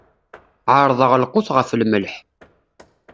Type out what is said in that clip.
Ɛerḍeɣ lqut ɣef lmelḥ.